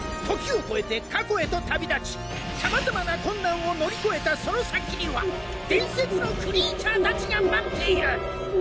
時を超えて過去へと旅立ちさまざまな困難を乗り越えたその先には伝説のクリーチャーたちが待っている。